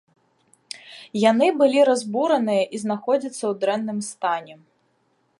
Яны былі разбураныя і знаходзяцца ў дрэнным стане.